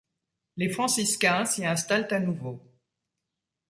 Les Francicains s'y installent à nouveau.